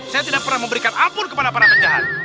saya tidak pernah memberikan ampun kepada para pencahari